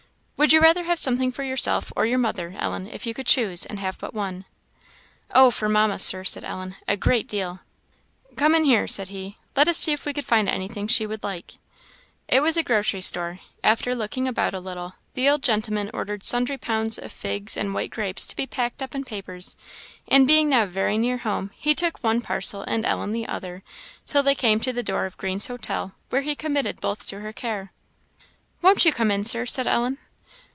"Would you rather have something for yourself or your mother, Ellen, if you could choose, and have but one?" "Oh, for Mamma, Sir," said Ellen "a great deal!" "Come in here," said he; "let us see if we can find anything she would like." It was a grocery store. After looking about a little, the old gentleman ordered sundry pounds of figs and white grapes to be packed up in papers; and being now very near home, he took one parcel and Ellen the other, till they came to the door of Green's Hotel, where he committed both to her care. "Won't you come in, Sir?" said Ellen.